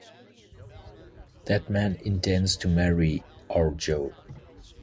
That man intends to marry our Jo!